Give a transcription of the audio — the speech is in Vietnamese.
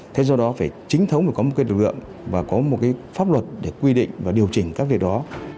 thế do đó phải chính thống phải có một lực lượng và có một cái pháp luật để quy định và điều chỉnh các việc đó